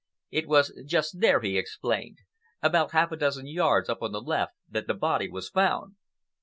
"It was just there," he explained, "about half a dozen yards up on the left, that the body was found."